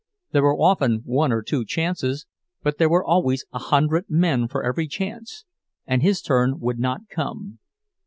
There were often one or two chances—but there were always a hundred men for every chance, and his turn would not come.